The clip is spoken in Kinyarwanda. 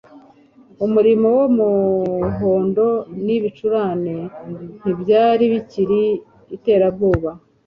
Umuriro wumuhondo n ibicurane ntibyari bikiri iterabwoba.